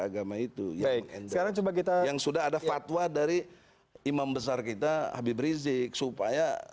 agama itu dengan rejected meketa yang sudah ada fatwa dari imam besar kita habib rizik supaya